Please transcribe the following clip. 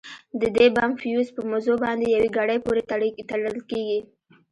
د دې بم فيوز په مزو باندې يوې ګړۍ پورې تړل کېږي.